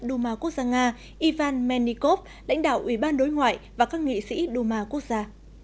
duma quốc gia nga ivan menikov lãnh đạo ủy ban đối ngoại và các nghị sĩ duma quốc gia